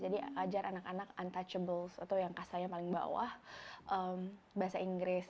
jadi ngajar anak anak untouchables atau yang kasarnya paling bawah bahasa inggris